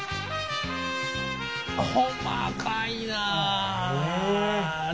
細かいなあ。